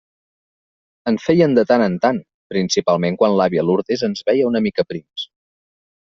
En feien de tant en tant, principalment quan l'àvia Lourdes ens veia una mica prims.